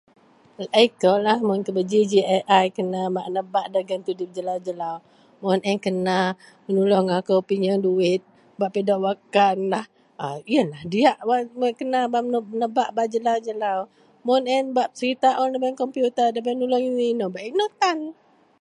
Laei koulah mun kebeji ji AI kena bak nebak dagen tudip jelau-jelau. Mun a yen kena menuluong akou pinyeang duwit, bak pidok wakkanlah, a yenlah diyak wak kena bak nebak bak jelau-jelau. Mun a yen bak serita un lubeang kompiuta ndabei bak inou-inou, bak inou tan.